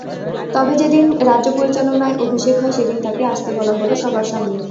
তবে যেদিন রাজ্য পরিচালনায় অভিষেক হয়, সেদিন তাকে আসতে হলো সবার সামনে।